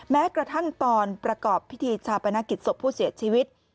แม้กระทั่งตอนประกอบพิธีชาปนกิจศพผู้เสียชีวิต